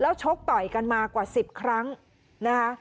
ชกต่อยกันมากว่า๑๐ครั้งนะคะ